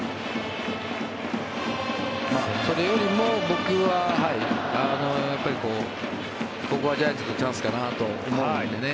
それよりも僕はここはジャイアンツのチャンスかなと思うのでね。